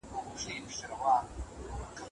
په کيسه کې ولسي اصطلاحات خوند کوي.